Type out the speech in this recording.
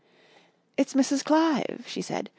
"It's Mrs. Clive," she said.